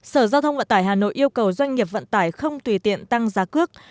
sở giao thông vận tải hà nội yêu cầu doanh nghiệp vận tải không tùy tiện tăng giá cước